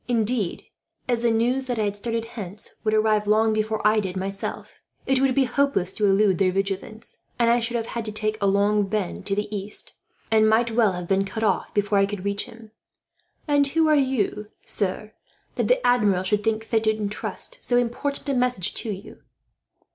Indeed, as the news that I had started hence would arrive, long before I did myself, it would be hopeless to elude their vigilance; and I should have had to make a long bend to the east, and might well have been cut off before I could reach him. "And who are you, sir, that the Admiral should think fit to intrust so important a message to you?"